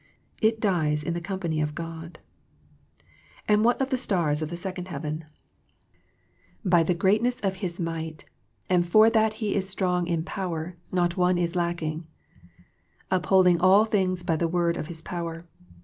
It dies in the company of God. And what of the stars of the second heaven ? 74 THE PEACTICE OF PEAYEE " By the greatness of His might, and for that He is strong in power, not one is lacking." *' Up holding all things by the word of His power."